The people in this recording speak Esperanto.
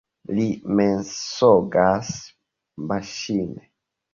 Li mensogas maŝine.